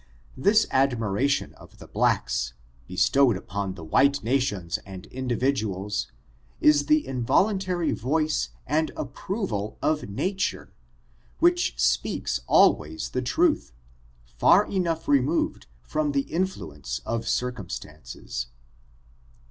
This admiration of the blacks, bestowed upon the white nations and individuals, is the involuntary voice and approval of nature, which speaks always the truth, far enough removed from the influence of circumstances.